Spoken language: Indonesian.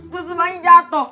terus semangin jatuh